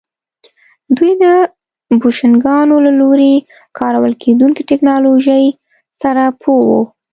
دوی د بوشنګانو له لوري کارول کېدونکې ټکنالوژۍ سره پوه وو